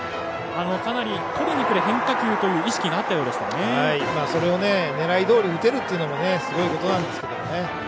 かなりとりにくる変化球というそれを狙いどおり打てるというのもすごいことですけどね。